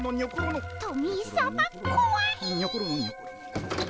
トミーさまこわい。